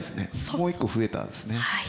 もう一個増えたんですね。